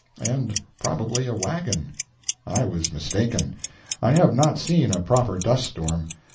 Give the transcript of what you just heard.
And probably a wagon. I was mistaken; I have not seen a proper duststorm.